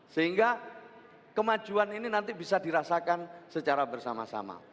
sehingga kemajuan ini nanti bisa dirasakan secara bersama sama